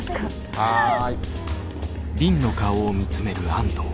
はい。